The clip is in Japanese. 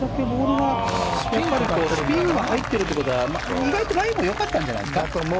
スピンが入ってるということは意外とラインが良かったんじゃないですか。